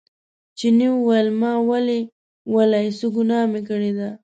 چیني وویل ما ولې ولئ څه ګناه مې کړې ده.